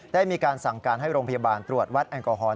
ได้มีการสั่งการให้โรงพยาบาลตรวจวัดแอลกอฮอล